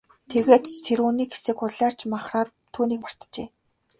Тэгээд ч тэр үү, нэг хэсэг улайрч махраад бүхнийг мартжээ.